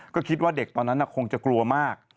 ก็คิดว่าเด็กตอนนั้นคงจะกลัวมาก